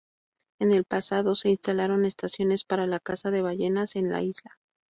En el pasado se instalaron estaciones para la caza de ballenas en la isla.